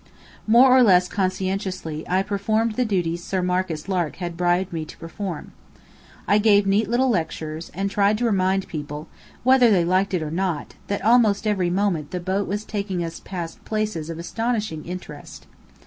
More or less conscientiously I performed the duties Sir Marcus Lark had bribed me to perform. I gave neat little lectures, and tried to remind people, whether they liked it or not, that almost every moment the boat was taking us past places of astonishing interest.